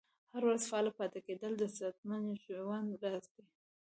هره ورځ فعال پاتې کیدل د صحتمند ژوند راز دی.